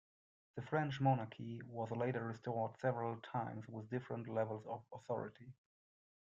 The French monarchy was later restored several times with differing levels of authority.